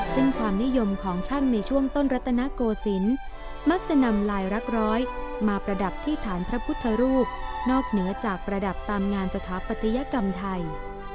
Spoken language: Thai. ซึ่งความนิยมของช่างในช่วงต้นรัตนโกศิลป์มักจะนำลายรักร้อยมาประดับที่ฐานพระพุทธรูปนอกเหนือจากประดับตามงานสถาปัตยกรรมไทย